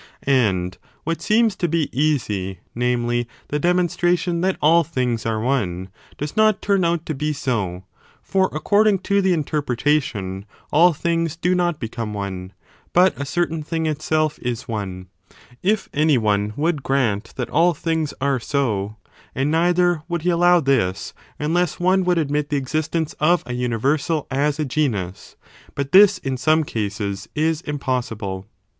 And what seems to be easy — ^namely, the demonstration that all things are one— does not turn out to be so; for, according to the interpretation, all things do not become one, but a certain thing itself is one, if any one woidd grant that all things are s«: and neither would he allow this, unless one would admit the existence of a universal as a genus; but this, in some cases, is impossible.